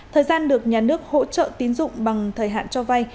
thời gian được nhà nước hỗ trợ tín dụng bằng thời hạn cho vay